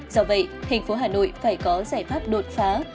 do vậy thành phố hà nội phải có giải pháp đột phá